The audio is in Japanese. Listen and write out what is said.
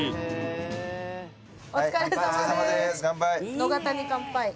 野方に乾杯。